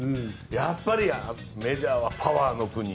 やっぱりメジャーはパワーの国。